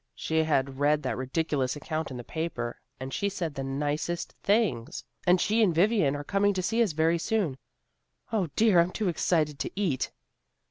She had read that ridiculous account in the paper, and she said the nicest things. And she and Vivian are coming to see us very soon. O, dear, I'm too excited to eat."